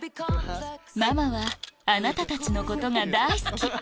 「ママはあなたたちのことが大好き！」